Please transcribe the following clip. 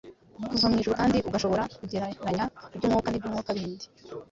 uva mu ijuru kandi agashobora kugereranya iby’umwuka n’iby’umwuka bindi.